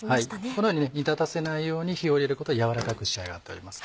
このように煮立たせないように火を入れることで軟らかく仕上がっております。